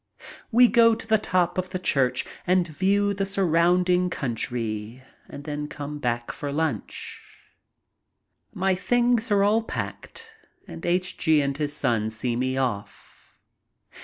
We go to the top of the church and view the surrounding country and then back home for lunch. My things are all packed and H. G. and his son see me off.